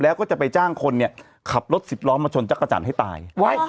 แล้วก็จะไปจ้างคนเนี่ยขับรถสิบล้อมาชนจักรจันทร์ให้ตาย